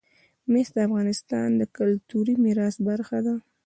مس د افغانستان د کلتوري میراث برخه ده.